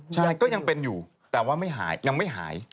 ใช่ก็ยังเป็นอยู่แต่ว่าไม่หายยังไม่หาย